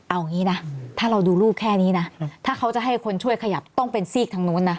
เอางี้นะถ้าเราดูรูปแค่นี้นะถ้าเขาจะให้คนช่วยขยับต้องเป็นซีกทางนู้นนะ